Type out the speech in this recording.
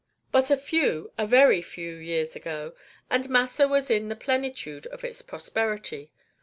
But a few, a very few years ago, and Massa was in the plenitude of its prosperity.